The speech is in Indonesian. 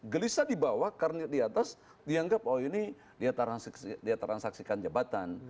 gelisah di bawah karena di atas dianggap oh ini dia transaksikan jabatan